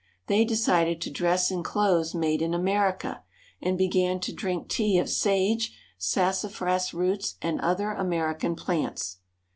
They decided to dress in clothes made in America, and began to drink tea of sage, sassafras roots, and other American plants.